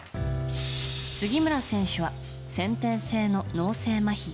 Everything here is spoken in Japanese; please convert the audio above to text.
杉村選手は先天性の脳性麻痺。